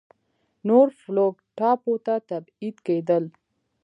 نورفولک ټاپو ته تبعید کېدل.